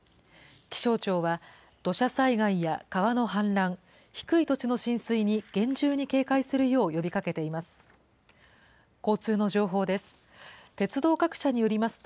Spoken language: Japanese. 気象庁は、土砂災害や川の氾濫、低い土地の浸水に厳重に警戒するよう呼びかけています。